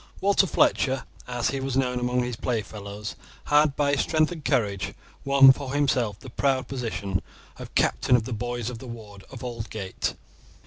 Walter Fletcher, as he was known among his play fellows, had by his strength and courage won for himself the proud position of captain of the boys of the ward of Aldgate.